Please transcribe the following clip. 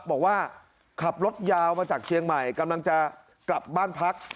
บอกว่าขับรถยาวมาจากเชียงใหม่กำลังจะกลับบ้านพัก